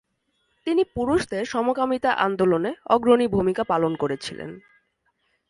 তিনি পুরুষদের সমকামিতা আন্দোলনে অগ্রণী ভূমিকা পালন করেছিলেন।